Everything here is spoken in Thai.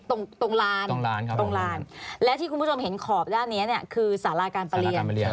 ตรงตรงลานตรงลานครับตรงลานและที่คุณผู้ชมเห็นขอบด้านนี้เนี่ยคือสาราการประเรียน